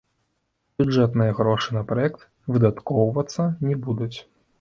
Бюджэтныя грошы на праект выдаткоўвацца не будуць.